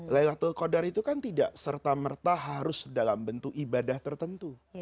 laylatul qadar itu kan tidak serta merta harus dalam bentuk ibadah tertentu